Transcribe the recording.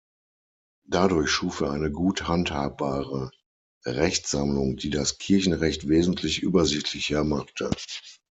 Dadurch schuf er eine gut handhabbare Rechtssammlung, die das Kirchenrecht wesentlich übersichtlicher machte.